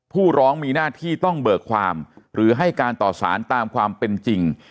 ผู้ร้องมีหน้าที่ต้องเบิกความหรือให้การต่อสารตามความเป็นจริง